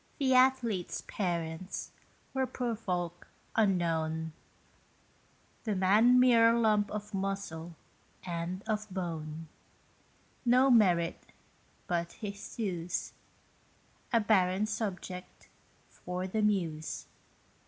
The athlete's parents were poor folk unknown; The man mere lump of muscle and of bone No merit but his thews, A barren subject for the muse.